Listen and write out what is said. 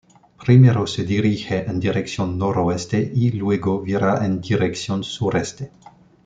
Primero se dirige en dirección noroeste y luego vira en dirección sureste.